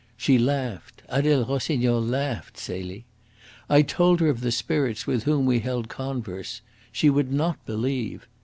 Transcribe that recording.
She laughed Adele Rossignol laughed, Celie. I told her of the spirits with whom we held converse. She would not believe.